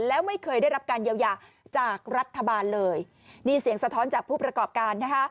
แล้วไม่เคยได้รับการเยียวยาจากรัฐบาลเลยนี่เสียงสะท้อนจากผู้ประกอบการนะคะ